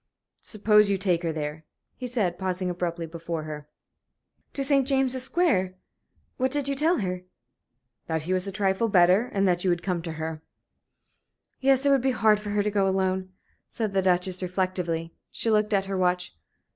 "Suppose you take her there?" he said, pausing abruptly before her. "To St. James's Square? What did you tell her?" "That he was a trifle better, and that you would come to her." "Yes, it would be hard for her to go alone," said the Duchess, reflectively. She looked at her watch.